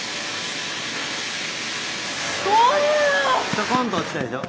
ちょこんと落ちたでしょ。